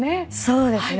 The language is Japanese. そうですね。